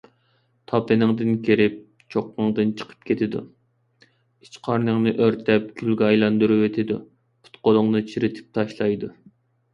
تاپىنىڭدىن كىرىپ چوققاڭدىن چىقىپ كېتىدۇ. ئىچ - قارنىڭنى ئۆرتەپ كۈلگە ئايلاندۇرۇۋېتىدۇ. پۇت - قولۇڭنى چىرىتىپ تاشلايدۇ.